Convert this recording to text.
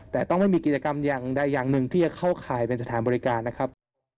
แต่ต้องไม่มีกิจกรรมอย่างใดอย่างหนึ่งที่จะเข้าข่ายเป็นสถานบริการนะครับ